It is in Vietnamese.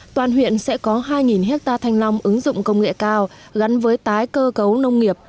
toàn huyện sẽ có hai hectare thanh long ứng dụng công nghệ cao gắn với tái cơ cấu nông nghiệp